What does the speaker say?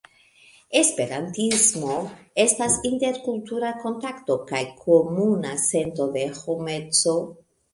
Esperantismo estas interkultura kontakto kaj komuna sento de homeco.